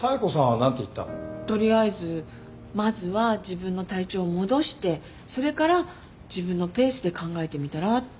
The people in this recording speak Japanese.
取りあえずまずは自分の体調を戻してそれから自分のペースで考えてみたらって。